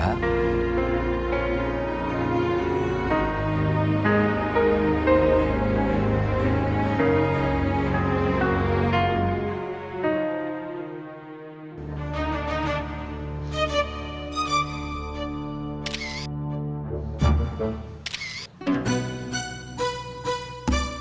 apa yang kamu tahu